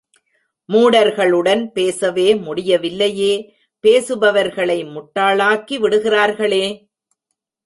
மூடர்களுடன் பேசவே முடியவில்லையே பேசுபவர்களை முட்டாளாக்கி விடுகிறார்களே!